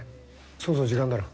そろそろ時間だろ。